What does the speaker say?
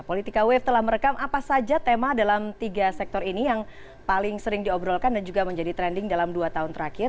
politika wave telah merekam apa saja tema dalam tiga sektor ini yang paling sering diobrolkan dan juga menjadi trending dalam dua tahun terakhir